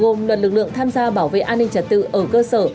gồm luật lực lượng tham gia bảo vệ an ninh trật tự ở cơ sở